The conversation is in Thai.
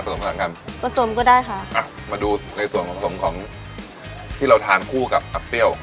หลังกันผสมก็ได้ค่ะอ่ะมาดูในส่วนของที่เราทานคู่กับอับเปรี้ยว